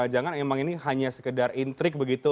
jangan memang ini hanya sekedar intrik begitu